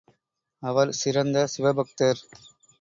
அவர் சிறந்த சிவபக்தர்.